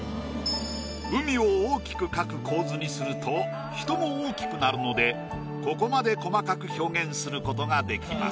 海を大きく描く構図にすると人も大きくなるのでここまで細かく表現することができます。